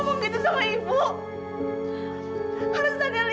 eng juga exact kata lihat tadi